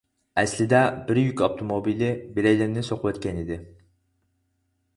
ئەسلىدە بىر يۈك ئاپتوموبىلى بىرەيلەننى سوقۇۋەتكەنىدى.